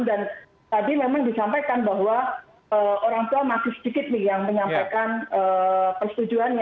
dan tadi memang disampaikan bahwa orang tua masih sedikit yang menyampaikan persetujuan